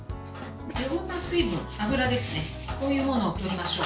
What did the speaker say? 余分な水分、油こういうものをとりましょう。